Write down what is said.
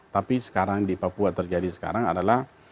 tapi sekarang di papua terjadi sekarang adalah